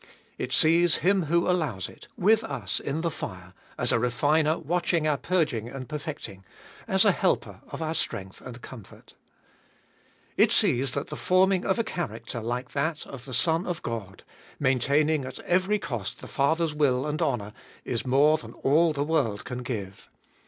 It sees Him who allows it, with us in the fire, as a refiner watching our purging and perfecting, as a helper of our strength and comfort. It sees that the forming of a character like that of the Son of ttbe tbolfest of Bll God, maintaining at every cost the Father's will and honour, is more than all the world can give.